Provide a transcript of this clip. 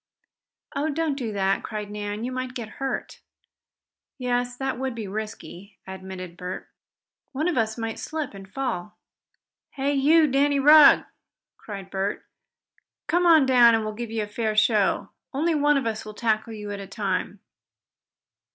"Oh, don't do that!" cried Nan. "You might get hurt." "Yes, that would be risky," admitted Bert. "One of us might slip and fall. Hey you, Danny Rugg!" cried Bert. "Come on down, and we'll give you a fair show. Only one of us will tackle you at a time."